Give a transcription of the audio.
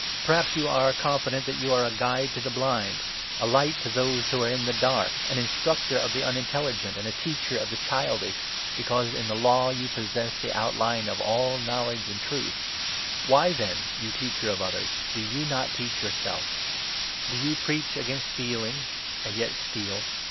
Perhaps you are 19 confident that you are a guide to the blind, a light to those 6 Ps. 62. 12; Prov. 24. 12. N 354 ROMANS, 2—3. who are in the dark, an instructor of the unintelligent, and 20 a teacher of the childish, because in the Law you possess the outline of all Knowledge and Truth. Why, then, you teacher 21 of others, do not you teach yourself ? Do you preach against stealing, and yet steal